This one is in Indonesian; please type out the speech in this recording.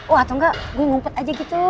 wah atau enggak gue ngumpet aja gitu